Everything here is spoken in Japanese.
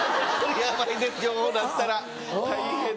ヤバいです両方なったら大変です。